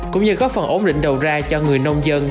cũng như góp phần ổn định đầu ra cho người nông dân